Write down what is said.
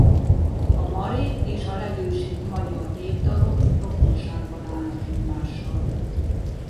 A mari és a legősibb magyar népdalok rokonságban állnak egymással.